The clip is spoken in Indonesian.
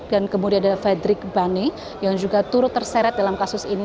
dan kemudian ada ferdrik bani yang juga turut terseret dalam kasus ini